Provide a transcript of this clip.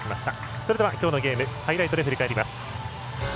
それではきょうのゲームハイライトで振り返ります。